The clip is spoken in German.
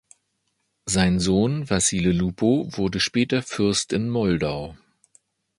Sein Sohn Vasile Lupu wurde später Fürst in Moldau.